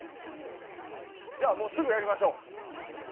じゃあ、すぐやりましょう。